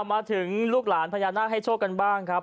มาถึงลูกหลานพญานาคให้โชคกันบ้างครับ